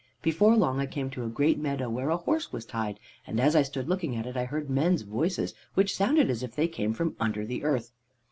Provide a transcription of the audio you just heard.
"Before long I came to a great meadow where a horse was tied, and as I stood looking at it, I heard men's voices which sounded as if they came from under the earth.